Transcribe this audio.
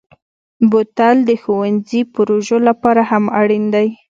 بوتل د ښوونځي پروژو لپاره هم اړین دی.